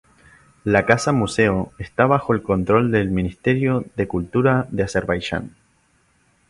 La casa museo está bajo el control del Ministerio de Cultura de Azerbaiyán.